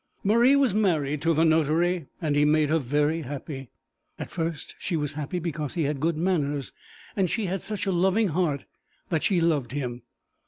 Marie was married to the notary, and he made her very happy. At first she was happy because he had good manners and she had such a loving heart that she loved him.